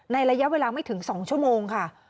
ระยะเวลาไม่ถึง๒ชั่วโมงค่ะ